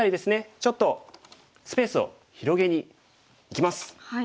ちょっとスペースを広げにいきます。